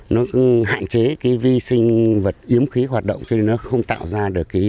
nó hạn chế cái vi sinh vật yếm khí hoạt động cho nên nó không tạo ra được